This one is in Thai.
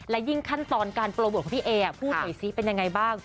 และยิ่งขั้นตอนการโปรโมทของพี่เอพูดหน่อยซิเป็นยังไงบ้าง